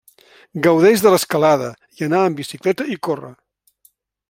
Gaudeix de l'escalada, i anar amb bicicleta i córrer.